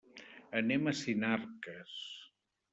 Anem a Sinarques.